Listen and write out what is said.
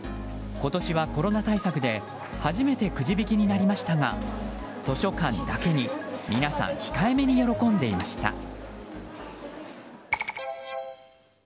今年はコロナ対策で初めてくじ引きになりましたが図書館だけに皆さん、控えめに喜んでいました。